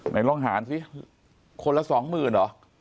ไหนลองหารสิคนละสองหมื่นเหรอ